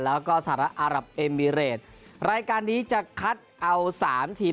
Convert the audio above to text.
แล้วก็สหรัฐอารับเอมิเรตรายการนี้จะคัดเอาสามทีม